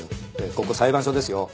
ここ裁判所ですよ。